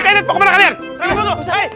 tentang kemana kalian